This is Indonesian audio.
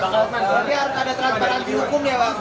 berarti harus ada transparansi hukum ya pak